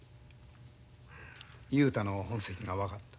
雄太の本籍が分かった。